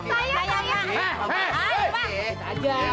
eh eh eh kita ajar